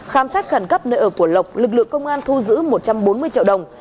khám xét khẩn cấp nơi ở của lộc lực lượng công an thu giữ một trăm bốn mươi triệu đồng